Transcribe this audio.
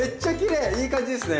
いい感じですね。